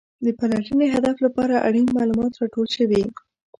د پلټنې هدف لپاره اړین معلومات راټول شوي.